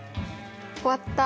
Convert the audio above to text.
終わった。